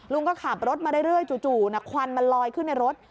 ลุงก็ขับรถมาเรื่อยจู่ควันมันลอยขึ้นในรถ